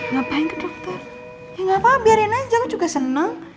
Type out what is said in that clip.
ngapain ke dokter ya gapapa biarin aja aku juga senang